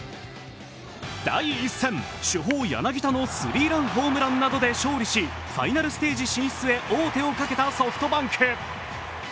第１戦、主砲・柳田のスリーランホームランなどで勝利し、ファイナルステージ進出へ王手をかけたソフトバンク。